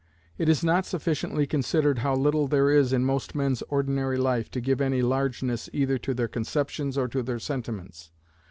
It is not sufficiently considered how little there is in most men's ordinary life to give any largeness either to their conceptions or to their sentiments.